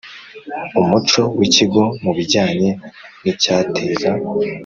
Umuco w ikigo mu bijyanye n icyateza